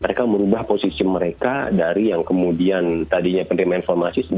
mereka merubah posisi mereka dari yang kemudian tadinya penerimaan informasi